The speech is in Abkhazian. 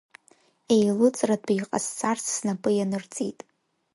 Еилыҵратәы иҟасҵарц снапы ианырҵеит.